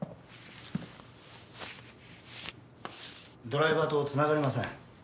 ドライバーと繋がりません。